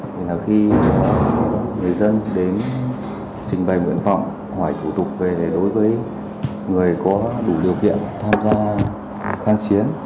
thì là khi người dân đến trình bày nguyện vọng hỏi thủ tục về đối với người có đủ điều kiện tham gia kháng chiến